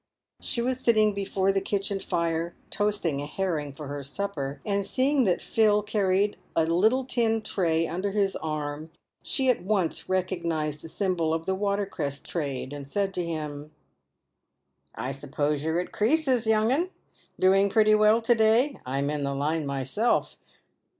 She was sitting before the kitchen fire, toasting a herring for her supper, and seeing that Phil carried a little tin tray under his arm, she at once recognised the symbol of the water cress trade, and said to him, " I suppose you're at creases, young un ? Done pretty well to day ? I'm in the line myself."